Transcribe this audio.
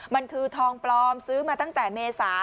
มันคือทองปลอมซื้อมาตั้งแต่เมษา